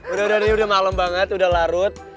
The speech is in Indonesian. udah udah nih udah malem banget udah larut